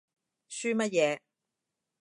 噓乜嘢？